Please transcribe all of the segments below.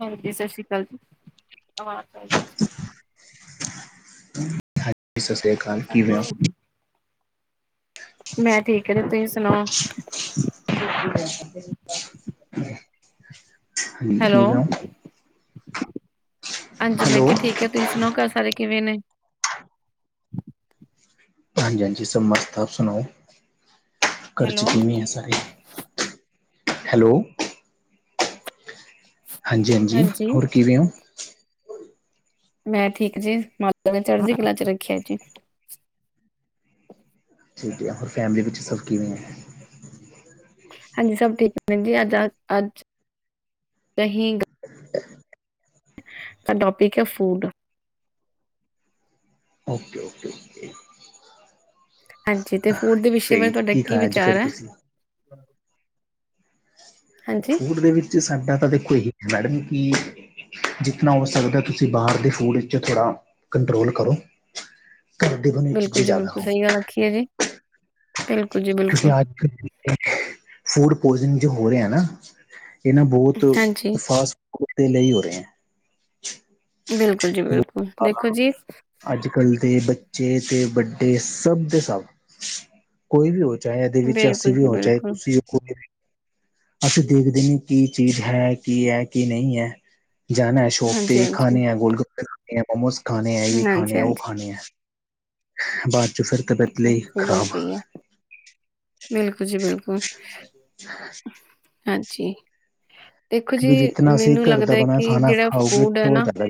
ਹਾਂਜੀ ਸਤਿ ਸ਼੍ਰੀ ਅਕਾਲ ਜੀ ਆਵਾਜ਼ ਆ ਹਾਂਜੀ ਸਤਿ ਸ੍ਰੀ ਅਕਾਲ ਕਿਵੇਂ ੳ। ਮੈਂ ਠੀਕ। ਹੈ [inaudible] ਜੀ ਤੁਸੀਂ ਸੁਣਾਓ ਹਾਂਜੀ ਹੈਲੋ ਕੀਵੋ ੳ? ਹਾਂਜੀ, ਮੈਂ ਹੈਲੋ ਕਿਹਾ ਠੀਕ ਏ, ਤੁਸੀਂ ਸੁਣਾਓ ਘਰ ਸਾਰੇ ਕਿਵੇ ਨੇ? ਹਾਂਜੀ ਹਾਂਜੀ ਸਬ ਮਸਤ ਆਪ ਸੁਣਾਓ ਘਰ ਹੈਲੋ ਚੇ ਕਿਵੇਂ ਏ ਸਾਰੇ। ਹੈਲੋ। ਹਾਂਜੀ-ਹਾਂਜੀ ਹਾਂਜੀ ਹੋਰ ਕਿਵੇਂ ਹੋ ਮੈਂ ਠੀਕ ਜੀ ਮਾਤਾ ਨੇ ਚੜ੍ਹਦੀ ਕਲਾਾਂ ਚ ਰੱਖਿਆ ਜੀ ਠੀਕ ਹੈ ਹੋਰ ਫੈਮਿਲੀ ਵਿੱਚ ਸਭ ਕਿਵੇਂ ਹੈ ਹਾਂਜੀ ਸਭ ਠੀਕ ਮੈ ਜੀ ਅੱਜ-ਅੱਜ-ਅਜ ਦਹੀਂਗ ਤਾਂ ਟਪਿਕ ਹੈ ਫੂਡ ਓਕੇ-ਓਕੇ-ਓਕੇ ਹਾਂਜੀ ਤੇ ਫੂਡ ਦੇ ਵਿਸ਼ੇ ਸਹੀ ਬਾਰੇ ਤੁਹਾਡਾ ਕੀ ਖਾਇਆ ਅੱਜ ਵਿਚਾਰ ਫਿਰ ਹੈ ਤੁਸੀਂ ਹਾਂਜੀ ਫੂਡ ਦੇ ਵਿੱਚ ਸਾਡਾ ਤਾਂ ਦੇਖੋ ਇਹੀ ਹੈ ਮੈਡਮ ਕਿ ਜਿਤਨਾ ਹੋ ਸਕਦਾ ਤੁਸੀਂ ਬਾਹਰ ਦੇ ਫੂਡ ਵਿੱਚ ਥੋੜ੍ਹਾ ਕੰਟਰੋਲ ਕਰੋ ਕਰਦੇ ਹਨ ਇਹ ਬਿਲਕੁਲ ਚੀਜ਼ਾਂ ਜੀ ਜ਼ਿਆਦਾ ਬਿਲਕੁਲ ਹੋ ਸਹੀ ਗੱਲ ਆਖੀਏ ਜੀ ਬਿਲਕੁਲ ਜੀ ਬਿਲ ਕਿਉਂਕਿ ਅੱਜ ਕ ਫੂਡ ਪੋਇਸਨਿੰਗ ਜੋ ਹੋ ਰਿਹਾ ਨਾ ਇਹਨਾਂ ਬਹੁਤ ਹਾਂਜੀ ਫਾਸਟ ਫੂਡ ਦੇ ਲਈ ਹੋ ਰਿਹੇ ਹੈ ਬਿਲਕੁਲ ਜੀ ਬਿਲਕੁਲ ਦੇਖੋ ਜੀ ਅੱਜ ਕੱਲ੍ਹ ਦੇ ਬੱਚੇ ਤੇ ਵੱਡੇ ਸਭ ਦੇ ਸਭ ਕੋਈ ਵੀ ਹੋਏ ਚਾਹੇ ਇਹਦੇ ਵਿੱਚ ਬਿਲਕੁਲ ਅਸੀਂ ਵੀ ਜੀ ਹੋ ਚਾਹੇ ਬਿਲਕੁਲ ਤੁਸੀਂ ਵੀ ਕੋ- ਅਸੀਂ ਦੇਖਦੇ ਨੇ ਕੀ ਚੀਜ਼ ਹੈ ਕੀ ਹੈ ਕੀ ਨਹੀਂ ਹੈ ਜਾਣਾ ਸ਼ੋਪ ਤੇ ਹਾਂਜੀ ਹਾਂਜੀ ਖਾਣੇ ਆ ਗੋਲ ਗੋਪੇ ਖਾਣੇ ਆ ਮੋਮੋਸ ਖਾਣੇ ਆ ਇਹ ਹਾਂਜੀ ਖਾਣੇ ਆ ਹਾਂਜੀ ਉਹ ਖਾਣੇ ਆ ਬਾਅਦ ਚ ਫਿਰ ਤਬੀਅਤ ਲਈ ਸਹੀ ਗੱਲ ਖਰਾਬ ਕਹੀ ਹੈ। ਬਿਲਕੁਲ ਜੀ ਬਿਲਕੁਲ [inaudible] ਹਾਂਜੀ ਦੇਖੋ ਜੀ ਕਿ ਜਿਤਨਾ ਅਸੀਂ ਮੈਨੂੰ ਘਰ ਲੱਗਦਾ ਦਾ ਹੈ ਬਣਯਾ ਕਿ ਖਾਣਾ ਜਿਹੜਾ ਖਾਓਗੇ ਫੂਡ ਹੈ ਨਾ ਥਦਾ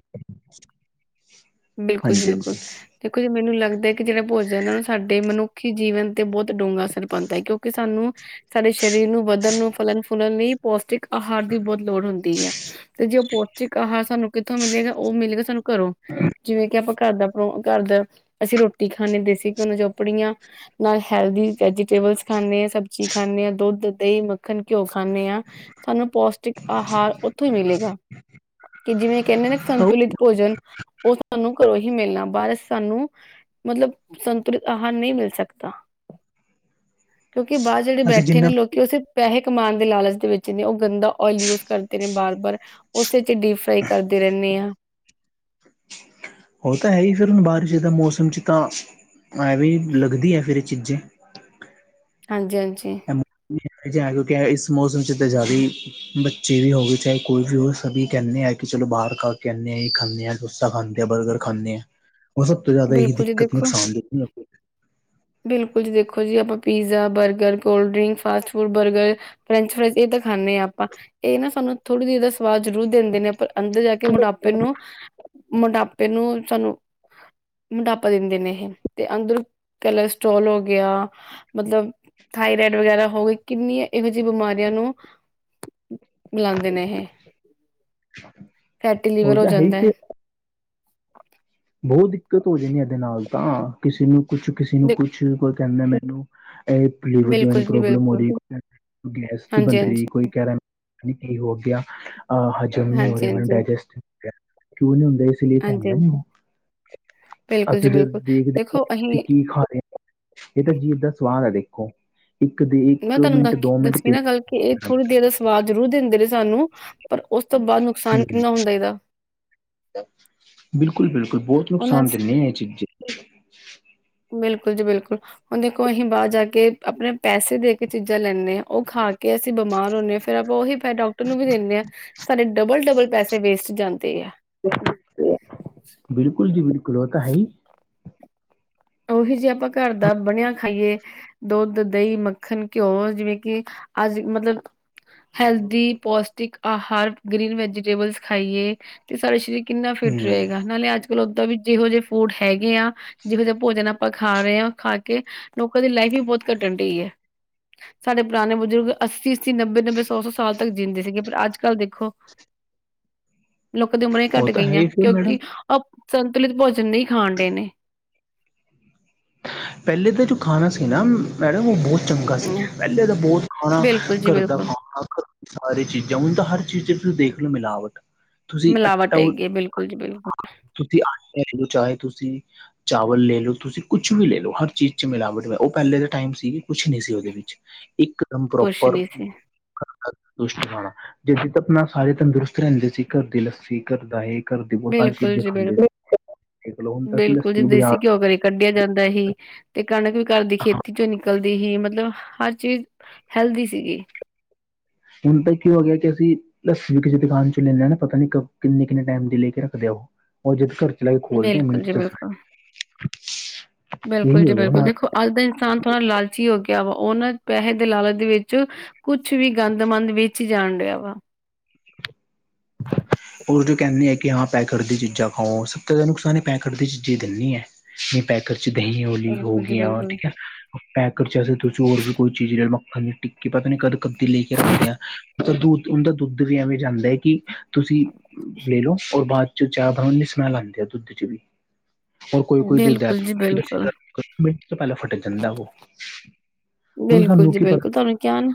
ਬਿਲਕੁਲ-ਬਿਲਕੁਲ ਦੇਖੋ ਜੀ ਮੈਨੂੰ ਲੱਗਦਾ ਕਿ ਜਿਹੜਾ ਭੋਜਨ ਇਹਨਾਂ ਨੂੰ ਸਾਡੇ ਮਨੁੀ ਜੀਵਨ ਤੇ ਬਹੁਤ ਡੂੰਘਾ ਅਸਰ ਪੈਂਦਾ ਹੈਉਂਕਿ ਸਾਨੂੰ ਸਾਡੇ ਸਰੀਰ ਨੂੰ ਵਧਣ ਨੂੰ ਫਲਣ ਫੁੱਲਣ ਲਈ ਪੌਸ਼ਟਿਕ ਆਹਾਰ ਦੀ ਬਹੁਤ ਲੋੜ ਹੁੰਦੀ ਹੈ ਤੇ ਜੇ ਉਹ ਪੋਚਿਕ ਆਹਾਰ ਸਾਨੂੰ ਕਿੱਥੋਂ ਮਿਲੇਗਾ ਉਹ ਮਿਲੇਗਾ ਸਾਨੂੰ ਘਰੋਂ ਜਿਵੇਂ ਕਿ ਆਪਾਂ ਘਰ ਦਾ ਘਰ ਦਾ ਅਸੀਂ ਰੋਟੀ ਖਾਂਦੇ ਦੇਸੀ ਘਯੋ ਦੀ ਚੋਪੜੀਆਂ ਨਾਲ ਹੈਲਦੀ ਵੈਜੀਟੇਬਲਸ ਖਾਂਦੇ ਹਾਂ ਸਬਜ਼ੀ ਖਾਂਦੇ ਹਾਂ ਦੁੱਧ ਦਹੀਂ ਮੱਖਣ ਘਿਓ ਖਾਂਦੇ ਹਾਂ ਸਾਨੂੰ ਪੌਸ਼ਟਿਕ ਆਹਾਰ ਉੱਥੋਂ ਹੀ ਮਿਲੇਗਾ ਕਿ ਜਿਵੇਂ ਕਹਿੰਦੇ ਨੇ ਸੰਤੁਲਿਤ ਭੋਜਨ ਉਹ ਸਾਨੂੰ ਘਰੋਂ ਹੀ ਮਿਲਣਾ ਬਾਦ ਚ ਸਾਨੂੰ ਮਤਲਬ ਸੰਤੁਲਿਤ ਆਹਾਰ ਨਹੀਂ ਮਿਲ ਸਕਦਾ ਕਿਉਂਕਿ ਬਾਹਰ ਜੇਹੜੇ ਅਸੀਂ ਬੈਠੇ ਨੇ ਜਿੰਨਾ ਲੋਕ ਕਿ ਉਸੇ ਪੈਸੇ ਕਮਾਉਣ ਦੇ ਲਾਲਚ ਦੇ ਵਿੱਚ ਨੇ ਉਹ ਗੰਦਾ ਓਇਲ ਯੂਜ ਕਰਦੇ ਨੇ ਬਾਰ-ਬਾਰ ਉਸੇ ਚ ਡੀਪ ਫਰਾਈ ਕਰਦੇ ਰਹਿੰਦੇ ਹਾਂ ਉਹ ਤਾਂ ਹੈ ਹੀ ਫਿਰ ਹੁਣ ਬਾਰਿਸ਼ ਦਾ ਮੌਸਮ 'ਚ ਤਾਂ ਐਂਵੇਂ ਹੀ ਲੱਗਦੀ ਹੈ ਫਿਰ ਇਹ ਚੀਜ਼ੇ ਹਾਂਜੀ-ਹਾਂਜੀ ਕਿਉਂਕਿ ਇਸ ਮੌਸਮ ਚ ਤਾਂ ਜ਼ਿਆਦੀ ਬੱਚੇ ਵੀ ਹੋ ਗਏ ਚਾਹੇ ਕੋਈ ਵੀ ਹੋ ਸਬੀ ਕਹਿਣੇ ਆ ਕਿ ਚਲੋ ਬਾਹਰ ਖਾਕੇ ਆਨੇ ਆ ਖਾਂਦੇ ਹਾਂ ਡੋਸਾ ਖਾਣੇ ਆ ਬਰਗਰ ਖਾਣੇ ਆ ਉਹ ਸਭ ਤੋਂ ਜ਼ਿਆਦਾ ਇਹੀ ਬਿਲਕੁਲ ਜੀ ਦਿੱਕਤ ਦੇਖੋ ਨੁਕਸਾਨ ਦੀ ਬਿਲਕੁਲ ਜੀ, ਦੇਖੋ ਜੀ ਆਪਾਂ pizza, burger cold drink, fast food burger french fries ਇਹ ਤਾਂ ਖਾਂਦੇ ਹਾਂ ਆਪਾਂ ਇਹ ਨਾ ਸਾਨੂੰ ਥੋੜ੍ਹੀ ਜਿਹੀ ਦਾ ਸਵਾਦ ਜ਼ਰੂਰ ਦਿੰਦੇ ਹਾਂ ਪਰ ਅੰਦਰ ਜਾ ਕੇ ਮੋਟਾਪੇ ਨੂੰ ਮੋਟਾਪੇ ਨੂੰ ਸਾਨੂੰ ਮੋਟਾਪਾ ਦਿੰਦੇ ਨੇ ਇਹ ਤੇ ਅੰਦਰ ਕਲਸਟੋ੍ਰਲ ਹੋ ਗਿਆ ਮਤਲਬ ਥਾਇਰਾਡ ਵਗੈਰਾ ਹੋਵੇ ਕਿ ਕਿੰਨੀਆਂ ਇਹੋ ਜਿਹੀ ਬਿਮਾਰੀਆਂ ਨੂੰ [inaudible] [unintelligible] ਨੇ ਇਹ ਫੈਟੀ ਉਹ ਲਿਵਰ ਹੋ ਤਾਂ ਹੈ ਹੀ ਜਾਂਦਾ। ਫਿਰ ਬਹੁਤ ਦਿੱਕਤ ਹੋ ਜਾਂਦੀ ਇਹਦੇ ਨਾਲ ਤਾਂ ਕਿਸੇ ਨੂੰ ਕੁਛ ਕਿਸੇ ਨੂੰ ਬਿ ਕੁਛ ਕੋਈ ਕਹਿੰਦੇ ਮੈਨੂੰ ਏ ਪੀਲੀਵਰ ਚ ਬਿਲਕੁਲ ਜੀ ਪ੍ਰੋਬਲਮ ਹੋ ਬਿਲਕੁਲ ਰਹੀ ਗੈਸ ਜੀ ਹਾਂਜੀ ਬਣ ਹਾਂਜੀ ਰਹੀ ਕੋਈ ਕਹਿ ਰਹਾ ਨੀ ਕਿ ਹੋਗਿਆ ਅ ਹਜੇ ਕਿਉਂ ਨੀ ਹੋ ਹਾਂਜੀ ਰਿਹਾ ਮੈਨੂੰ ਹਾਂਜੀ ਡਾਇਜੈਸਟ ਕਿਉਂ ਨੀ ਹੁੰਦਾ ਇਸ ਲਈ ਤਾਂ ਹਾਂਜੀ ਹੁੰਦਾ ਨੀ ਹਾਂਜੀ ਉਹ ਬਿਲਕੁਲ ਜੀ ਅਸੀਂ ਜਦ ਬਿਲਕੁਲ ਦੇਖਦੇ ਹਾਂ ਦੇਖੋ ਕਿ ਅਸੀਂ ਕੀ ਖਾ ਰਹੇ ਇਹ ਤਾਂ ਜੀਭ ਦਾ ਸਵਾਦ ਹੈ ਦੇਖੋ ਇੱਕ ਦੇ ਇੱਕ ਮੈਂ ਤੁਹਾਨੂੰ ਦ ਮਿੰਟ ਦੋ ਮਿੰਟ ਦੱਸੀ ਨਾ ਗੱਲ ਕਿ ਇਹ ਤਿੰਨ ਥੋੜ੍ਹੀ ਦੇਰ ਦਾ ਸਵਾਦ ਜ਼ਰੂਰ ਦਿੰਦੇ ਨੇ ਸਾਨੂੰ ਪਰ ਉਸ ਤੋਂ ਬਾਅਦ ਨੁਕਸਾਨ ਕਿੰਨਾ ਹੁੰਦਾ ਇਹਦਾ। ਬਿਲਕੁਲ, ਬਿਲਕੁਲ ਬਹੁਤ ਹੁਣ ਨੁਕਸਾਨ ਦਿਨੇ ਇਹ ਚੀਜ਼ ਬਿਲਕੁਲ ਜੀ ਬਿਲਕੁਲ, ਹੁਣ ਦੇਖੋ ਅਸੀਂ ਬਾਹਰ ਜਾ ਕੇ ਆਪਣੇ ਪੈਸੇ ਦੇ ਕੇ ਚੀਜ਼ਾਂ ਲੈਂਦੇ ਉਹ ਖਾ ਕੇ ਅਸੀਂ ਬਿਮਾਰ ਹੁੰਨੇ ਹਾਂ, ਫੇਰ ਆਪਾਂ ਉਹੀ ਪੈਹੇ ਡਾਕਟਰ ਨੂੰ ਵੀ ਦਿੰਦੇ ਆ। ਸਾਡੇ ਡਬਲ, ਡਬਲ ਪੈਸੇ ਵੇਸਟ ਜਾਂਦੇ ਆ। ਬਿਲਕੁਲ ਜੀ ਬਿਲਕੁਲ, ਉਹ ਤਾਂ ਹੈਈ। ਉਹੀ ਜੇ ਆਪਾਂ ਘਰ ਦਾ ਬਣਿਆ ਖਾਈਏ ਦੁੱਧ, ਦਹੀਂ, ਮੱਖਣ, ਘਿਓ ਜਿਵੇਂ ਕਿ ਅੱਜ ਮਤਲਬ ਹੈਲਦੀ, ਪੌਸ਼ਟਿਕ ਆਹਾਰ ਗ੍ਰੀਨ ਵੈਜੀਟੇਬਲਸ ਖਾਈਏ। ਤੇ ਸਾਡੇ ਸਰੀਰ ਕਿੰਨਾ ਫਿਟ ਹਮ ਰਹੇਗਾ। ਨਾਲੇ ਅੱਜ ਕੱਲ੍ਹ ਉੱਦਾਂ ਵੀ ਜਿਹ ਜਿਹੇ ਫੂਡ ਹੈਗੇ ਆ ਜਿਹੋ ਜਿਹੇ ਆਪਾਂ ਖਾ ਰਹੇ ਹਾਂ ਖਾ ਕੇ ਲੋਕਾਂ ਦੀ ਲਾਈਫ ਵੀ ਬਹੁਤ ਘੱਟਣ ਡਹੀ ਹੈ। ਸਾਡੇ ਪੁਰਾਣੇ ਬਜ਼ੁਰਗ ਅੱਸੀ, ਅੱਸੀ ਨੱਬੇ, ਨੱਬੇ ਸੌ, ਸੌ ਸਾਲ ਤੱਕ ਜਿਂਦੇ ਸੀਗੇ ਪਰ ਅੱਜ ਕੱਲ੍ਹ ਦੇਖੋ [inaudible] ਲੋਕਾਂ ਦੀ ਉਮਰਾਂ ਹੀ ਉਹ ਘੱਟ ਤਾਂ ਹੈ ਗਈਆਂ। ਹੀ ਫਿਰ ਮੈਡਮ ਕਿਉਂਕਿ ਉਹ ਸੰਤੁਲਿਤ ਭੋਜਨ ਨਹੀਂ ਖਾਣ ਡੇ ਨੇ ਪਹਿਲੇ ਦਾ ਜੋ ਖਾਣਾ ਸੀ ਨਾ ਮੈਡਮ ਉਹ ਬਹੁਤ ਚੰਗਾ ਸੀ ਪਹਿਲੇ ਤਾਂ ਬਹੁਤ ਖਾਣਾ ਬਿਲਕੁਲ ਜੀ ਘਰ ਦਾ ਬਿਲਕੁਲ ਖਾਣਾ ਸਾਰੇ ਚੀਜ਼ਾਂ ਹੁਣ ਤਾਂ ਹਰ ਚੀਜ਼ ਚ ਤੁਸੀਂ ਦੇਖ ਲਓ ਮਿਲਾਵਟ ਤੁਸੀਂ ਮਿਲਾਵਟ ਆਟਾ ਹੈਗੀ। ਬਿਲਕੁਲ ਜੀ ਬਿਲਕੁਲ ਤੁਸੀਂ ਆਟਾ ਲੈ ਲਓ ਚਾਹੇ ਤੁਸੀਂ ਚਾਵਲ ਲੈ ਲਓ ਤੁਸੀਂ ਕੁਛ ਵੀ ਲੈ ਲਓ ਹਰ ਚੀਜ਼ 'ਚ ਮਿਲਾਵਟ ਐ, ਉਹ ਪਹਿਲੇ ਦੇ ਟਾਈਮ ਸੀਗੀ ਕੁਛ ਨਹੀਂ ਸੀ ਉਹਦੇ ਵਿੱਚ ਇਕਦਮ ਕੁਛ ਪ੍ਰੋਪਰ ਨੀ ਸੀ [unintelligible] ਆਪਣਾ ਸਾਰੇ ਤੰਦਰੁਸਤ ਰਹਿੰਦੇ ਸੀ ਘਰ ਦੀ ਲੱਸੀ ਘਰ ਦਾ ਇਹ ਘਰਦੇ ਬਹੁਤ ਸਾਰੀ ਬਿਲਕੁਲ ਚੀਜ਼ਾਂ ਜੀ ਖਾਂਦੇ ਬਿਲਕੁਲ ਦੇਖਲੋ ਹੁਣ ਬਿਲਕੁਲ ਲੱਸੀ ਜੀ ਵੀ ਬਜਾਰ ਦੇਸੀ ਘਿਓ ਘਰੇ ਕੱਢਿਆ ਜਾਂਦਾ ਸੀ, ਤੇ ਕਣਕ ਵੀ ਘਰ ਦੀ ਖੇਤੀ ਚੋਂ ਨਿਕਲਦੀ ਸੀ ਮਤਲਬ ਹਰ ਚੀਜ਼ ਹੈਲਦੀ ਸੀਗੀ। ਹੁਣ ਤਾਂ ਕੀ ਹੋ ਗਿਆ, ਕਿ ਅਸੀਂ ਲੱਸੀ ਵੀ ਕਿਸੇ ਦੁਕਾਨ ਚੋਂ ਲੈ ਲੈਣਾ ਪਤਾ ਨੀ ਕਿੰਨੇ, ਕਿੰਨੇ ਟਾਈਮ ਦੀ ਲੈ ਕੇ ਰੱਖਦੇ ਆ ਓ ਉਹ ਜਦ ਘਰ ਚਲਾ ਕੇ ਖੋਲਦੇ ਆ ਬਿਲਕੁਲ ਮਿੰਟ ਜੀ ਚ ਬਿਲਕੁਲ ਬਿਲਕੁਲ ਇਹੀ ਜੀ ਹੋ ਗਿਆ ਬਿਲਕੁਲ ਹਾਲ ਦੇਖੋ ਅੱਜ ਦਾ ਇਨਸਾਨ ਥੋੜ੍ਹਾ ਲਾਲਚੀ ਹੋ ਗਿਆ ਵਾ ਉਹਨਾਂ ਪੈਸੇ ਦੇ ਲਾਲਚ ਦੇ ਵਿੱਚ ਕੁਛ ਵੀ ਗੰਦਮੰਦ ਵਿੱਚ ਹੀ ਜਾਣ ਡਿਆ ਵਾ ਓਦੋ ਕਹਿੰਦੇ ਕਿ ਹਾਂ ਪੈਕਟ ਦੀ ਚੀਜ਼ਾਂ ਖਾਓ ਸਭ ਤੋਂ ਜ਼ਿਆਦਾ ਨੁਕਸਾਨ ਇਹ ਪੈ ਕਰ ਦੀ ਚੀਜ਼ਾਂ ਹੀ ਦਿੰਦੀਆਂ। ਇਹ ਪੈਕਟ ਚ ਦਹੀਂ ਹੋਲੀ ਬਿਲਕੁਲ ਜੀ ਹੋਗਈਆਂ ਬਿਲਕੁਲ, ਠੀਕ ਐ। ਪੈਕ ਕਰਕੇ ਹੋਰ ਵੀ ਕੋਈ ਚੀਜ਼ ਮੱਖਣ ਦੀ ਟਿੱਕੀ ਪਤਾ ਨੀ ਕਦ ਕੱਦੀ ਲੈ ਕੇ ਰੱਖਦੇ ਆ। ਦੁੱਧ ਉਹਦਾ ਦੁੱਧ ਵੀ ਐਵੇਂ ਜਾਂਦਾ ਹੈ ਕਿ ਤੁਸੀਂ ਲੈ ਲਓ ਔਰ ਬਾਅਦ 'ਚ ਚਾਹ ਪਉਣ ਲਈ ਸਮੈਲ ਆਉਂਦੀ ਆ ਦੁੱਧ 'ਚ ਵੀ ਹੋਰ ਕੋਈ- ਕੋਈ ਦੁੱਧ- ਬਿਲਕੁਲ ਜੀ ਦੁੱਧ ਤੁਸੀਂ ਬਿਲਕੁਲ, ਗਰਮ ਤੋਂ ਪਹਿਲਾਂ ਫੱਟ ਜਾਂਦਾ ਉਹ ਹੁਣ ਬਿਲਕੁਲ ਸਾਨੂੰ ਜੀ ਕੀ ਪਤਾ ਬਿਲਕੁਲ ਤੁਹਾਨੂੰ ਕਿਹਾ ਨਾ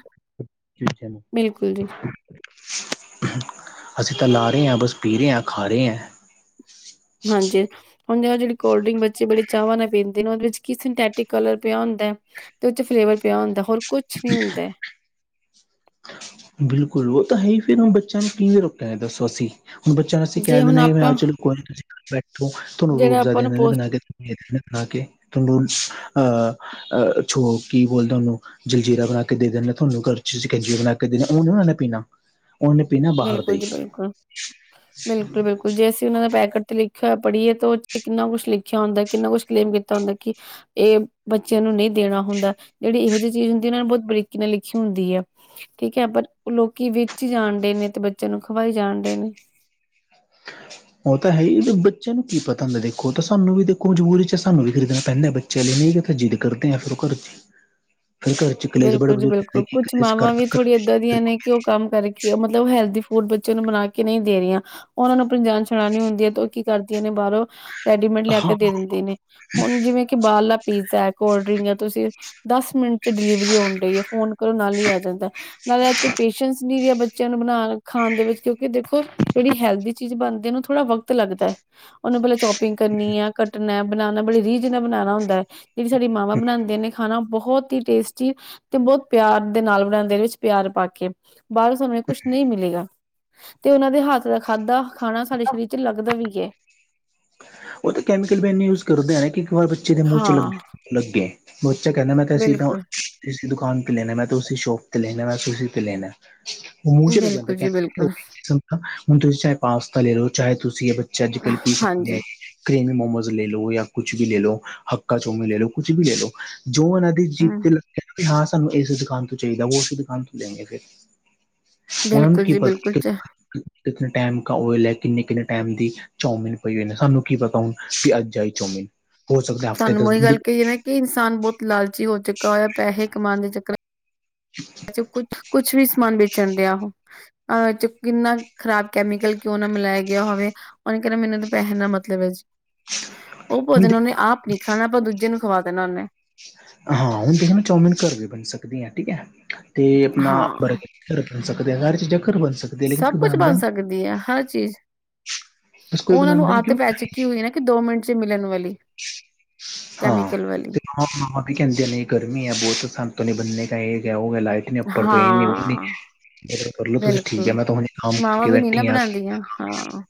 [inaudible] [inaudible] ਬਿਲਕੁਲ ਜੀ ਅਸੀ ਤਾਂ ਲਾ ਰਹੇ ਹਾਂ ਬਸ ਪੀ ਰਹੇ ਹਾਂ ਖਾ ਰਹੇ ਐਂ। ਹਾਂਜੀ ਇਹਨੂੰ ਹੁਣ ਜਿਹੜੇ ਕੋਲਡ ਡ੍ਰਿੰਕ ਬੱਚੇ ਬੜ ਚਾਹਵਾਂ ਨਾਲ ਪੀਂਦੇ ਨੇ ਉਹਦੇ ਵਿੱਚ ਕੀ ਸਿੰਥੈਟਿਕ ਕਲਰ ਪਿਆ ਹੁੰਦਾ। ਤੇ ਉਹ 'ਚ ਫਲੇਵਰ ਪਿਆ ਹੁੰਦਾ ਹੋਰ ਕੁਛ ਨ ਹੁੰਦਾ। ਬਿਲਕੁਲ ਉਹ ਤਾਂ ਹੈ ਹੀ ਫਿਰ ਬੱਚਿਆਂ ਨੂੰ ਕਿਂਵੇਂ ਰੁਕ ਹੈ ਦਸੋ ਅਸੀ ਹੁਣ ਬੱਚਿਆਂ ਨੂੰ ਅਸੀਂ ਜੇ ਕਹਿ ਹੁਣ ਦਿੰਦੇ ਵੀ ਆ ਆਪਾਂ 'ਚ ਕੋਈ ਨ ਬੈਠੋ ਤੁਹਾਨੂੰ ਜਿਹੜਾ ਰੋਅਬਜਾ ਆਪਾਂ ਨੂੰ ਇਹਨਾਂ ਨੇ ਪੋਸ ਬਣਾ ਕੇ [unintelligible] ਅਹ ਛੋ ਕੀ ਬੋਲਦਾ ਤੁਹਨੂੰ ਜਲਜੀਰਾ ਬਣਾ ਕੇ ਦੇ ਦਿੰਦਾ ਤੁਹਾਨੂੰ ਘਰ 'ਚ ਕ ਬਣਾ ਕੇ ਦੇ ਉਹ ਨ [unintelligible] ਉਹਨਾਂ ਨੇ ਪੀਣਾ ਉਹਨੇ ਪੀਣਾ। ਬਾਹਰ ਦਾ ਬਿਲਕੁਲ ਹੀ ਜੀ ਬਿਲਕੁਲ -ਬਿਲਕੁਲ- ਬਿਲਕੁਲ ਜੇ ਅਸੀਂ ਉਹਨਾਂ ਦੇ ਪੈਕੇਟ ਤੇ ਲਿਖ ਇਆ ਪੜ੍ਹੀਏ ਤੇ ਉਹ ਕਿਤਨਾ ਕੁਛ ਲਿਖਿਆ ਹੁੰਦਾ ਕਿੰਨਾ ਕੁਛ ਕਲੇਮ ਕੀਤਾ ਹੁੰਦਾ ਕਿ ਇਹ ਬੱਚਿਆਂ ਨੂੰ ਨਹੀਂ ਦੇਣਾ ਹੁੰਦਾ ਜਿਹੜੀ ਇਹੋ ਜਿਹੀ ਚੀਜ਼ ਹੁੰਦੀ ਇਹ ਨੇ ਬਹੁਤ ਬਰੀਕੀ ਨਾਲ ਲਿਖੀ ਹੁੰਦੀ ਆ। ਠੀਕ ਹੈ ਪਰ ਲੋਕੀ ਵੇਚੀ ਜਾਣਦੇ ਨੇ ਤੇ ਬੱਚਿਆਂ ਨੂੰ ਖਵਾਈ ਜਾਣ ਡੇ ਨੇ। [inaudible] ਉਹ ਤਾਂ ਹੈ ਹੀ ਬੱਚਿਆਂ ਨੂੰ ਕੀ ਪਤਾ ਹੁੰਦਾ ਦੇਖੋ ਤਾਂ ਸਾਨੂੰ ਵੀ ਦੇਖੋ ਮਜਬੂਰੀ 'ਚ ਸਾਨੂੰ ਵੀ ਖਰੀਦਣਾ ਪੈਂਦਾ ਬ ਚਲੇ ਨਹੀਂ ਕਿ ਤਾਂ ਜਿੱਦ ਕਰਦੇ ਫਿਰ ਘਰ 'ਚ ਫਿਰ ਘਰ ਕਲੇਸ਼ ਬੜੇ ਬਿਲਕੁਲ ਜੀ ਬਜ਼ੁਰਗ ਬਿਲਕੁਲ ਕਹਿੰਦੇ ਕਿ ਕੁਛ ਕਲੇਸ਼ ਮਾਵਾਂ ਵੀ ਕਰਨਾ। ਥੋੜ੍ਹੀ ਏਦਾਂ ਦੀਆਂ ਨੇ। ਕਿ ਉਹ ਕੰਮ ਕਰਕੇ ਮਤਲਬ ਹੈਲਦੀ ਫੂਡ ਬੱਚੇ ਨੂੰ ਬਣਾ ਕੇ ਨਹੀਂ ਦੇ ਰਹੀਆਂ। ਉਹਨਾਂ ਨੂੰ ਆਪਣੀ ਜਾਣ ਸੁੜਾਣੀ ਹੁੰਦੀ ਹੈ ਤੇ ਉਹ ਕੀ ਕਰਦੀਆਂ ਨੇ ਬਾਹਰੋਂ ਰੈਡੀਮੇਡ ਲਿਆ ਹਾਂ ਕੇ ਦੇ ਦਿੰਦੇ ਨੇ। ਹੁਣ ਜਿਵੇਂ ਕਿ ਬਾਹਰਲਾ ਪੀਜ਼ਾ ਕੋਲਡ ਡਰਿੰਕ ਹੈ ਤੁਸੀਂ ਦਸ ਮਿੰਟ 'ਚ ਡਿਲੀਵਰੀ ਹੋਣ ਡਈ ਹੈ ਫੋਨ ਕਰੋ ਨਾਲ ਹੀ ਆ ਜਾਂਦਾ ਨਾਲੇ ਅੱਜ ਕੱਲ ਪੇਸ਼ੈਂਸ ਨੀਰੀਆਂ ਬੱਚਿਆਂ ਨੂੰ ਬਣਾ ਖਾਣ ਦੇ ਵਿੱਚ ਕਿਉਂਕਿ ਦੇਖੋ ਜਿਹੜੀ ਹੈਲਦੀ ਚੀਜ਼ ਬਣਦੀ ਉਹਨੂੰ ਥੋੜ੍ਹਾ ਵਕਤ ਲੱਗਦਾ। ਉਹਨੂੰ ਪਹਿਲ ਚੋਪਿੰਗ ਕਰਨੀ ਹੈ ਕੱਟਣਾ ਬਣਾਣਾ ਬੜੇ ਰੀਝ ਨਾਲ ਬਣਾਣਾ ਹੁੰਦਾ। ਜਿਹੜੀ ਸਾਡੀ ਮਾਵਾਂ ਬਣਾਂਦੀਆ ਨੇ ਖਾਣਾ ਬਹੁਤ ਹੀ ਟੇਸਟੀ ਤੇ ਬਹੁਤ ਪਿਆਰ ਦੇ ਨਾਲ ਬਣਾਣੇ ਵਿੱਚ ਪਿਆਰ ਪਾ ਕੇ ਬਾਹਰੋਂ ਸਮੇਂ ਕੁਛ ਨਹੀਂ ਮਿਲੇਗਾ। ਤੇ ਉਹਨਾਂ ਦੇ ਹੱਥ ਦਾ ਖਾਧਾ ਖਾਣਾ ਸਾਡੇ ਸਰੀਰ 'ਚ ਲੱਗਦਾ ਵੀ ਏ। ਉਹ ਤਾਂ ਕੈਮੀਕਲ ਵੀ ਇੰਨੇ ਯੂਜ ਕਰਦੇ ਕਿ ਇੱਕ ਵਾਰ ਬੱਚੇ ਦੇ ਮੂੰਹ 'ਚ ਲੱ ਹਾਂ ਲੱਗੇ। ਬੱਚਾ ਕਹਿੰਦਾ ਮੈਂ ਤਾਂ ਇਸ ਬਿਲਕੁਲ ਇਸ ਦੁਕਾਨ ਤੇ ਲੈਣਾ ਮੈਂ ਤਾਂ ਉਸੀ ਸ਼ੋਪ ਤੇ ਲੈਣਾ ਮੈਂ ਉਸੀ ਪੇ ਲੈਣਾ। ਉਹ ਮੂੰਹ ਚਲੇ ਜਾਂਦਾ ਬਿਲਕੁਲ ਜੀ ਕਹਿੰਦੇ ਕਿ ਹੋ ਬਿਲਕੁਲ ਗਈ। ਹੁਣ ਤੁਸੀਂ ਚਾਹੇ ਪਾਸਤਾ ਲੈ ਲਓ ਚਾਹੇ ਤੁਸੀਂ ਇਹ ਬੱਚੇ ਅੱਜ ਕੱਲ੍ਹ ਕੀ ਕਰਦੇ ਆ। ਹਾਂਜੀ ਕ੍ਰੇਮੀ ਮੋਮੋਜ਼ ਲੈ ਲੋ ਜਾਂ ਕੁਛ ਵੀ ਲੈ ਲੋ ਹੱਕਕਾ ਚਾਊਮੀਨ ਲੈ ਲੋ ਕੁਛ ਵੀ ਲੈ ਲੋ। ਜੋ ਉਹਨਾਂ ਦੀ ਜੀਪ ਹਮ ਤੇ ਲੱਗਾ ਹਾਂ ਸਾਨੂੰ ਇਸ ਦੁਕਾਨ ਤੋਂ ਚਾਹੀਦਾ ਉਸੇ ਦੁਕਾਨ ਤੋਂ ਲੈਂਗੇ ਫਿਰ ਉਹਨਾਂ ਨੂੰ ਬਿਲਕੁਲ ਕੀ ਜੀ ਬਿਲਕੁਲ ਪਤਾ ਕਿੰਨੇ ਟਾਈਮ ਕਾ ਓਇਲ ਹੈ ਕਿੰਨੇ -ਕਿੰਨੇ ਟਾਈਮ ਦੀ ਚੋਮਿਨ ਪਈ ਹੋਏ ਨੇ ਸਾਨੂੰ ਕੀ ਪਤਾ ਹੁਣ ਵੀ ਅੱਜ ਆਈ ਚੋਮੀਨ ਹੋ ਸਕਦਾ ਹਫ਼ਤੇ ਤੁਹਾਨੂੰ ਦੱਸ ਉਹੀ ਦਿਨ ਗੱਲ ਪਈ ਕਹੀਏ ਨਾ ਕਿ ਇਨਸਾਨ ਬਹੁਤ ਲਾਲਚੀ ਹੋ ਚੁੱਕਾ ਹੋਇਆ ਪੈਹੇ ਕਮਾਣ ਦੇ ਚੱਕਰ [inaudible] ਕੁਛ-ਕੁਛ ਵੀ ਸਮਾਨ ਵੇਚਣ ਡਿਆ ਉਹ ਅ ਕਿੰਨਾ ਖ਼ਰਾਬ ਕੈਮੀਕਲ ਕਿਉਂ ਨਾ ਮਿਲਾਇਆ ਗਿਆ ਹੋਵੇ। ਉਹਨੇ ਕਹਿੰਣਾ ਮੈਨੂੰ ਤਾਂ ਪੈਹਿਆ ਨਾਲ ਮਤਲਬ ਹੈ ਜੀ। ਉਹ ਹੁਣ ਭੋਜਨ ਉਹਨੇ ਆਪ ਨੀ ਖਾਣਾ ਆਪਾਂ ਦੂਜੇ ਨੂੰ ਖਵਾ ਦੇਣਾ ਉਹਨੇ ਹਾਂ ਹੁਣ ਦੇਖੋ ਨਾ ਚੌਮਿਨ ਘਰ ਵੀ ਬਣ ਸਕਦੀ ਹ ਠੀਕ ਹੈ ਤੇ ਆਪਣਾ ਹਾਂ ਬਰਗਰ ਘਰ ਬਣ ਸਕਦਾ ਘਰ 'ਚ ਘਰ ਬਣ ਸਕਦਾ। ਸਭ ਕੁਛ ਬਣ ਸਕਦੀ ਹੈ ਹਰ ਚੀਜ਼ ਬਸ ਉਹ ਕੋਈ ਉਹਨਾਂ ਨੂੰ ਬਣਾਉਂਦਾ ਨਹੀਂ ਆਤ ਕਿਉਂ ਪੈ ਚੁੱਕੀ ਹੋਈ ਨਾ ਕਿ ਦੋ ਮਿੰਟ ਚ ਮਿਲਣ ਵਾਲੀ ਕੈਮਿਕਲ ਵਾਲੀ ਤੇ ਹਾਂ ਹਾਂ ਕਹਿੰਦੇ ਨ ਗਰਮੀ ਹੈ ਬਹੁਤ ਸ਼ਾਨ ਨਹੀਂ ਬਣੇ ਕ ਇਹ ਹੋ ਗਿਆ ਲਾਈਟ ਅੱਪਰ ਤੋਂ ਇਹ ਨਹੀਂ ਉਹ ਹਾਂ ਕਰਲੋ ਤੁਸੀ ਠੀਕ ਹੈ ਬਿਲਕੁਲ ਮੈਂ ਤੁਹਾਨੂੰ ਕੰਮ ਮਾਵਾਂ ਕਰਕੇ ਵੀ ਨੀ ਨਾ ਬੈਠੀ ਆ ਬਣਾਉਂਦੀਆਂ ਹਾਂ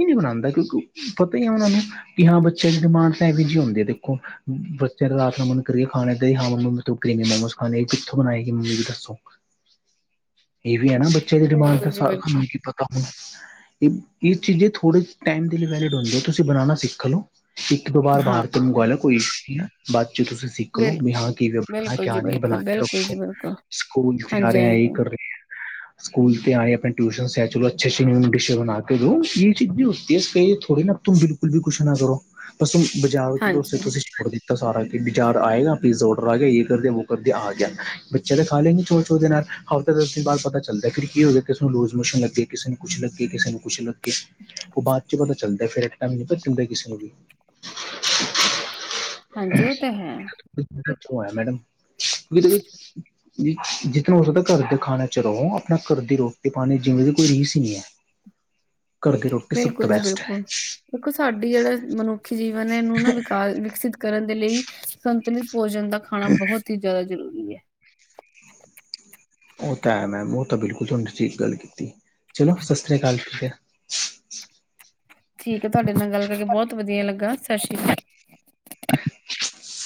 ਇਹ ਨਹੀਂ ਬਣਾਉਂਦਾ ਕਿਉਂਕਿ ਪਤਾ ਹੀ ਆ ਉਹਨਾਂ ਨੂੰ ਕਿ ਹਾਂ ਬੱਚਿਆਂ ਦੀ ਡਿਮਾਂਡ ਤਾਂ ਇਹੋ ਜਿਹੀ ਹੁੰਦੀ ਹੈ ਦੇਖੋ ਚਿਰ ਰਾਤ ਨੂੰ ਮਨ ਨੂੰ ਕਰੀ ਖਾਣੇ ਹਾਂ ਮੰਮੀ ਮੈਂ ਤੂੰ ਕਰੀਮੀ ਮੋਮਸ ਖਾਣੇ ਕਿੱਥੋਂ ਬਣਾਏ ਸੀ ਮੰਮੀ ਵੀ ਦੱਸੋ? ਇਹ ਵੀ ਹੈ ਨਾ ਬੱਚੇ ਦੀ ਡਿਮਾਂਡ ਤੇ ਬਿਲਕੁਲ ਜੀ ਸਾਨੂੰ ਬਿਲਕੁਲ ਕੀ ਪਤਾ ਹੁਣ? ਇਹ- ਇਹ ਚੀਜ਼ੇ ਥੋੜ੍ਹੇ ਟਾਈਮ ਦੇ ਲਈ ਵੈਲਿਡ ਹੁੰਦੀਆਂ ਤੁਸੀਂ ਬਣਾਉਣਾ ਸਿੱਖ ਲਓ। ਇੱਕ ਤੋਂ ਬਾਹਰ ਹਾਂ ਬਾਹਰ ਤੇ ਮੰਗਾਇਆ ਕੋਈ ਹਨ ਨਾ ਬਾਅਦ ਚ ਤੁਸੀਂ, ਸਿੱਖਲੋ ਬਿਲ ਵੀ ਹਾਂ ਕਿਵੇ ਬਣਾ ਬਿਲਕੁਲ ਜੀ ਕਿਆ ਨਹੀਂ ਬਣਾ ਬਿਲਕੁਲ ਕੇ ਬਿਲਕੁਲ ਰੱਖੋ ਜੀ ਬਿਲਕੁਲ ਸਕੂਲ ਤੇ ਆ ਹਾਂਜੀ ਰਹੇ ਇਹ ਹਾਂਜੀ ਕਰ ਰਹੇ। ਹ ਸਕੂਲ ਤੇ ਆਏ ਆਪਣੇ ਟਿਊਸ਼ਨ ਆ ਚਲੋ ਅੱਛ ਅੱਛ ਨ ਡਿਸ਼ੇ ਬਣਾ ਕੇ ਦ ਇਹ ਚੀਜ਼ ਵੀ ਥੋੜੀ ਨਾ ਤ ਬਿਲਕੁਲ। ਵੀ ਕੁਛ ਨਾ ਕਰੋ ਬਸ ਬਜਾਓ ਉਸੇ ਹਾਂਜੀ ਤੁਸੀਂ ਛੋੜ ਦਿੱ ਤਾਂ ਸਾਰਾ ਯਾਰ ਆਏਗਾ ਪੀਜ਼ਾ ਔਡਰ ਆ ਗਿਆ ਇਹ ਕਰਦੇ ਵ ਕਰਦੇ ਆ ਗਿਆ ਬੱਚਿਆਂ ਤਾਂ ਖਾ ਲੈਂ ਛੋਟ ਛੋ ਦੇ ਨਾਲ ਹਰ ਤਾਂ ਦਸ ਦਿਨ ਬਾਅ ਪਤਾ ਚੱਲਦਾ ਫਿਰ ਕੀ ਹੋ ਗਿਆ ਕਿਸੇ ਨੂੰ ਲੂਜ਼ ਮੋਸ਼ਨ ਲੱਗੇ ਕਿਸੇ ਨੂੰ ਕੁਛ ਲੱਗੇ ਕਿਸੇ ਨੂੰ ਕੁਛ ਲੱਗ। ਉਹ ਬਾਅਦ ਚ ਪਤਾ ਚੱਲਦਾ ਫਿਰ ਇੱਕ ਟਾਈਮ ਨਹੀਂ ਪਤਾ ਚੱਲਦਾ ਕਿਸੇ ਨੂੰ ਵੀ। ਹਾਂਜੀ ਉਹ ਤਾਂ ਹੈ। ਕਿੱਥੋਂ ਆਇਆ ਮੈਡਮ। ਜਿਸ ਤਰਾਂ ਹੋ ਸਕਦਾ ਘਰ ਦੇ ਖਾਣਾ ਚ ਰਹੋ ਆਪਣਾ ਘਰ ਦੀ ਰੋਟੀ -ਪਾਣੀ ਜਿਵੇਂ ਦੀ ਕੋਈ ਰੀਸ ਨਹੀਂ ਹੈ। ਘਰ ਦੀ ਰੋਟੀ ਸਭ ਤੋਂ ਬਿਲਕੁਲ ਜੀ ਬੈਸਟ ਹੈ। ਬਿਲਕੁਲ ਦੇਖੋ ਸਾਡੀ ਜਿਹੜਾ ਮਨੁੱਖੀ ਜੀਵਨ ਹੈ ਇਹਨੂੰ ਨਾ ਵਿਕਾ ਵਿਕਸਿਤ ਕਰਨ ਦੇ ਲਈ ਸੰਤੁਲਿਤ, ਭੋਜਨ ਦਾ ਖਾਣਾ ਬਹੁਤ ਹੀ ਜ਼ਿਆਦਾ ਜ਼ਰੂਰੀ ਹੈ। ਉਹ ਤਾਂ ਹੈ ਮੈਮ ਉਹ ਤਾਂ ਬਿਲਕੁਲ ਤੁਹਾਨੂੰ ਠੀਕ ਗੱਲ ਕੀਤੀ। ਚਲੋ ਸਤਿ ਸ਼੍ਰੀ ਅਕਾਲ ਠੀਕ ਹੈ। ਠੀਕ ਹੈ ਤੁਹਾਡੇ ਨਾਲ ਗੱਲ ਕਰਕੇ ਬਹੁਤ ਵਧੀਆ ਲੱਗਾ ਸਤਿ ਸ਼੍ਰੀ ਅਕਾਲ। ਓਕੇ।